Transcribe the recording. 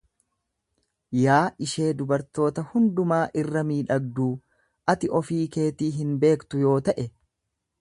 Yaa ishee durboota hundumaa irra miidhagduu! Ati ofii keetii hin beektu yoo ta'e